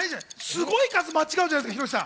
すごい数、間違うじゃない。